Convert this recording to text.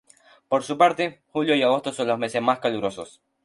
Por su parte, julio y agosto son los meses más calurosos.